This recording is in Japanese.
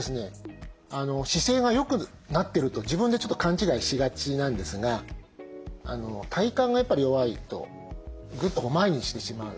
姿勢がよくなってると自分でちょっと勘違いしがちなんですが体幹がやっぱり弱いとぐっと前にしてしまう。